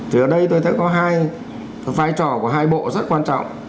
thì ở đây tôi thấy có hai vai trò của hai bộ rất quan trọng